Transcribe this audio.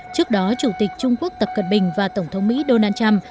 trước đó chủ tịch trung quốc tập cận bình và tổng thống mỹ donald trump